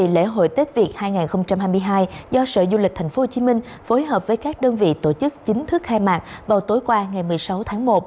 lễ hội tết việt hai nghìn hai mươi hai do sở du lịch tp hcm phối hợp với các đơn vị tổ chức chính thức khai mạc vào tối qua ngày một mươi sáu tháng một